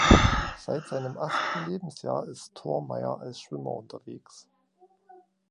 Seit seinem achten Lebensjahr ist Thormeyer als Schwimmer unterwegs.